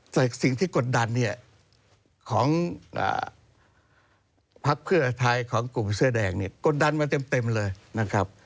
แต่สิ่งที่กดดันเนี่ยของพักเพื่อไทยของกลุ่มเสื้อแดงเนี่ยกดดันมาเต็มเลยนะครับ